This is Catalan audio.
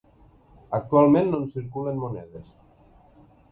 Actualment no en circulen monedes.